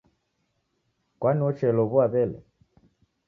Kwani wocheluw'ua w'ele.